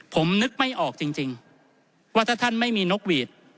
ผมนึกไม่ออกจริงว่าถ้าท่านไม่มีนกหวีด